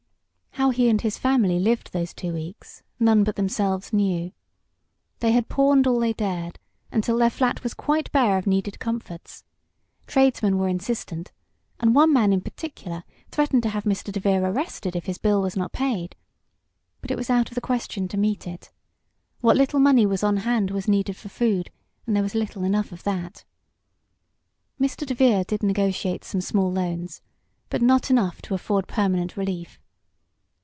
How he and his family lived those two weeks none but themselves knew. They had pawned all they dared, until their flat was quite bare of needed comforts. Tradesmen were insistent, and one man in particular threatened to have Mr. DeVere arrested if his bill was not paid. But it was out of the question to meet it. What little money was on hand was needed for food, and there was little enough of that. Mr. DeVere did negotiate some small loans, but not enough to afford permanent relief.